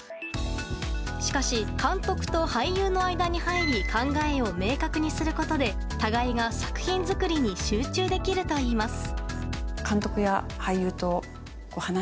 しかし、監督と俳優の間に入り考えを明確にすることで互いが作品作りに集中できるといいます。